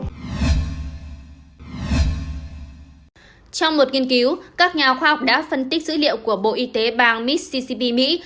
trong một nghiên cứu các nhà khoa học đã phân tích dữ liệu của bộ y tế bang missicp mỹ